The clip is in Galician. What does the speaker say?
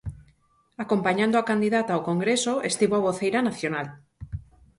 Acompañando a candidata ao Congreso estivo a voceira nacional.